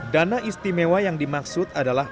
dana istimewa yang dimaksud adalah